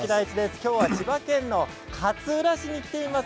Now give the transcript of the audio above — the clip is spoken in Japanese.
今日は千葉県の勝浦市に来ています。